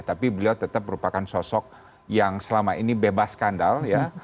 tapi beliau tetap merupakan sosok yang selama ini bebas skandal ya